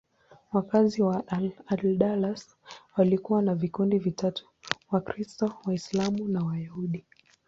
Wakazi wa Al-Andalus walikuwa wa vikundi vitatu: Wakristo, Waislamu na Wayahudi.